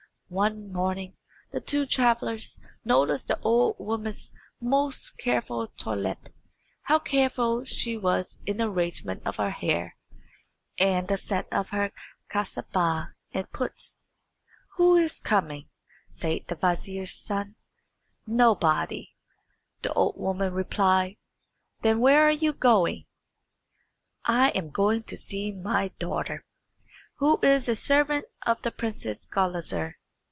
One morning the two travellers noticed the old woman's most careful toilette: how careful she was in the arrangement of her hair and the set of her kasabah and puts. "Who is coming?" said the vizier's son. "Nobody," the old woman replied. "Then where are you going?" "I am going to see my daughter, who is a servant of the Princess Gulizar.